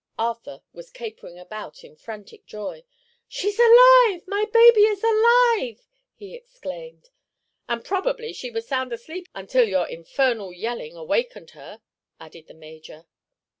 Arthur was capering about in frantic joy. "She's alive—my baby is alive!" he exclaimed. "And probably she was sound asleep until your infernal yelling awakened her," added the major.